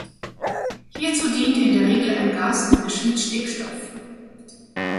Hierzu dient in der Regel ein Gasgemisch mit Stickstoff.